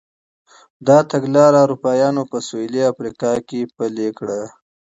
دا تګلاره اروپایانو په سوېلي افریقا کې پلې کړه.